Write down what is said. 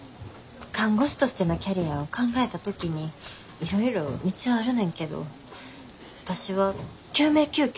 看護師としてのキャリアを考えた時にいろいろ道はあるねんけど私は救命救急の看護を極めたい。